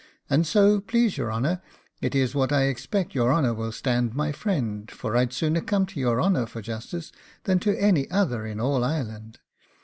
And so, please your honour, it is what I expect your honour will stand my friend, for I'd sooner come to your honour for justice than to any other in all Ireland.